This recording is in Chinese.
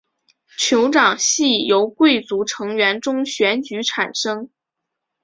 酋长系由贵族成员中选举产生。